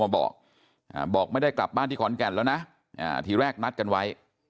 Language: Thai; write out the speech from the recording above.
บอกบอกไม่ได้กลับบ้านที่ขอนแก่นแล้วนะทีแรกนัดกันไว้